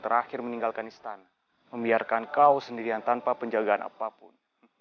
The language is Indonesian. terakhir meninggalkan istana membiarkan kau sendirian tanpa penjagaan apapun